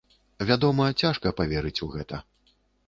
Вядома, цяжка паверыць у гэта.